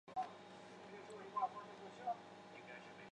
芋形笔螺为笔螺科芋笔螺属下的一个种。